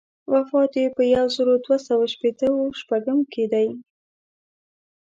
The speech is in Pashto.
وفات یې په یو زر دوه سوه شپېته و شپږم کې دی.